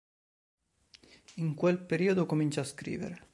In quel periodo comincia a scrivere.